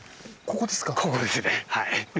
ここですねはい。